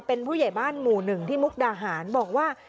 เป็นผู้ใหญ่บ้านหมู่หนึ่งที่มุกดาหารบอกว่า